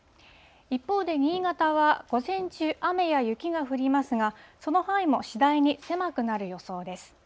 一方で新潟は、午前中、雨や雪が降りますが、その範囲も次第に狭くなる予想です。